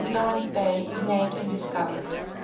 Lawrence Bay is named and discovered.